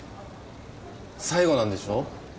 最後なんでしょ？